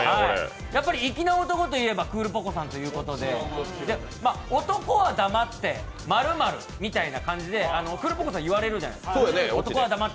粋な男と言えばクールポコさんということで男は黙って○○みたいな感じでクールポコさん言われるじゃないですか。